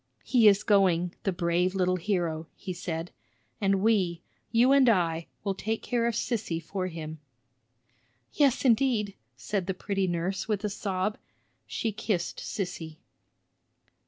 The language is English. "He is going, the brave little hero!" he said. "And we, you and I, will take care of Sissy for him." "Yes, indeed!" said the pretty nurse, with a sob; she kissed Sissy.